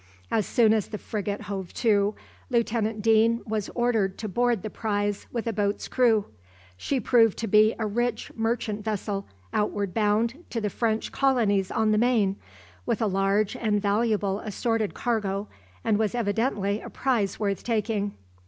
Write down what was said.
As soon as the frigate hove to, Lieutenant Deane was ordered to board the prize with a boat's crew. She proved to be a rich merchant vessel outward bound to the French colonies on the Main, with a large and valuable assorted cargo, and was evidently a prize worth taking.